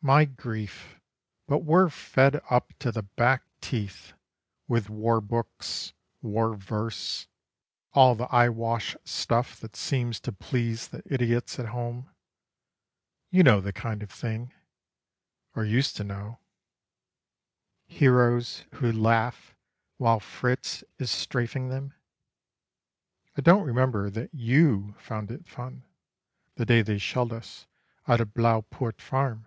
My grief, but we're fed up to the back teeth With war books, war verse, all the eye wash stuff That seems to please the idiots at home. You know the kind of thing, or used to know: "Heroes who laugh while Fritz is strafing them" (I don't remember that you found it fun, The day they shelled us out of Blouwpoort Farm!)